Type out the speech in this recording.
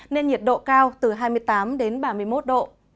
nên nhiệt độ cao từ hai mươi tám đến ba mươi một độ